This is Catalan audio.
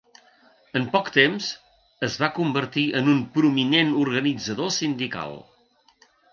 En poc temps es va convertir en un prominent organitzador sindical.